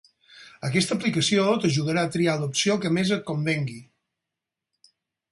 Aquesta aplicació t'ajudarà a triar l'opció que més et convingui.